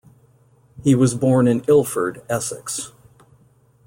He was born in Ilford, Essex.